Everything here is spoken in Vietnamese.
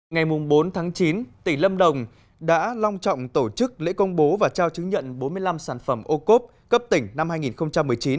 ngày bốn tháng chín tỉnh lâm đồng đã long trọng tổ chức lễ công bố và trao chứng nhận bốn mươi năm sản phẩm ô cốp cấp tỉnh năm hai nghìn một mươi chín